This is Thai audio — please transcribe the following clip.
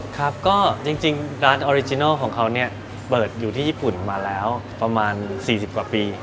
ครับก็จริงร้านออริจินัลของเขาเนี่ยเปิดอยู่ที่ญี่ปุ่นมาแล้วประมาณ๔๐กว่าปี